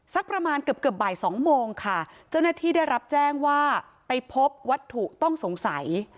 สักประมาณเกือบเกือบบ่ายสองโมงค่ะเจ้าหน้าที่ได้รับแจ้งว่าไปพบวัตถุต้องสงสัย